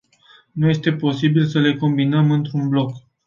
Nu este posibil să le combinăm într-un bloc.